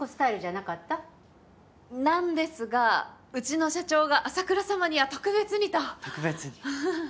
なんですがうちの社長が浅桜様には特別にと。特別に。